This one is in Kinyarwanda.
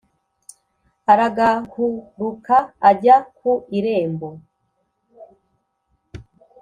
Aragahuruka ajya ku irembo